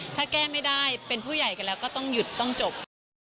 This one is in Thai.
ถ้าแก้ไม่ได้เป็นผู้ใหญ่กันแล้วก็ต้องหยุดต้องจบ